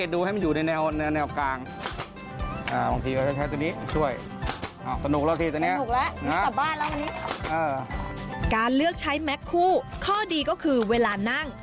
ดูให้มันอยู่ในแนวแนวกลาง